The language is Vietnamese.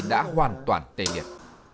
đã hoàn toàn tề nghiệp